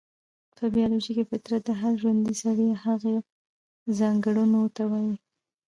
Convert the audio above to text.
په بيالوژي کې فطرت د هر ژوندي سري هغو ځانګړنو ته وايي،